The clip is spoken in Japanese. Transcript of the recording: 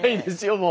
もう。